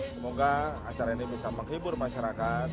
semoga acara ini bisa menghibur masyarakat